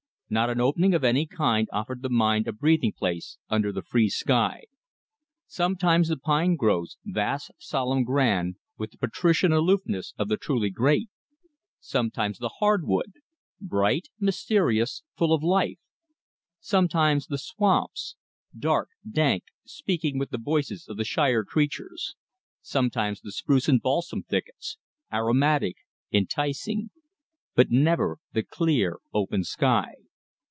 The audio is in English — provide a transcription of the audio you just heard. Not an opening of any kind offered the mind a breathing place under the free sky. Sometimes the pine groves, vast, solemn, grand, with the patrician aloofness of the truly great; sometimes the hardwood, bright, mysterious, full of life; sometimes the swamps, dark, dank, speaking with the voices of the shyer creatures; sometimes the spruce and balsam thickets, aromatic, enticing. But never the clear, open sky.